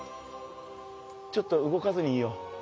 ちょっと動かずにいよう。